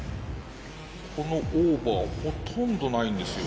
ここのオーバーほとんどないんですよ。